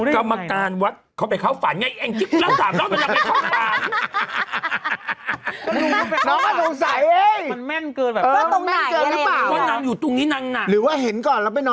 กรรมการวัดเขาไปเข้าฝันไง